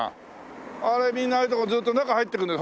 あれみんなああいうとこずっと中入っていくんだよ。